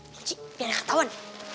nanti biar gak ketahuan